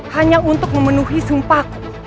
hanya untuk memenuhi sumpahku